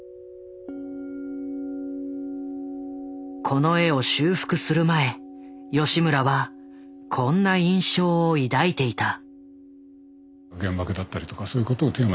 この絵を修復する前吉村はこんな印象を抱いていた。